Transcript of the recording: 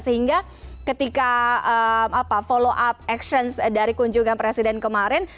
sehingga ketika follow up action dari kunjungan presiden kemarin